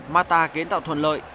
mata kiến tạo thuận lợi